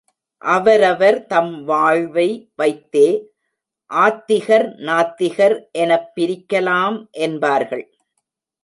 அவரவர் தம் வாழ்வை வைத்தே ஆத்திகர் நாத்திகர் எனப்பிரிக்கலாம் என்பார்கள்.